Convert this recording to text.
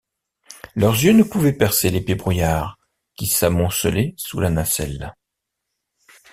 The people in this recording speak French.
Leurs yeux ne pouvaient percer l’épais brouillard qui s’amoncelait sous la nacelle.